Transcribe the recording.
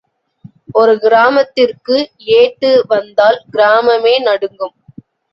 ஒரு கிராமத்திற்கு ஏட்டு வந்தால் கிராமமே நடுங்கும்.